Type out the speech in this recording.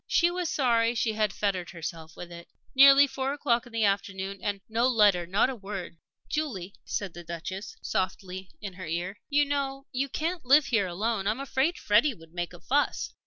She was sorry that she had fettered herself with it.... Nearly four o'clock in the afternoon, and no letter not a word! "Julie," said the Duchess, softly, in her ear, "you know you can't live here alone. I'm afraid Freddie would make a fuss."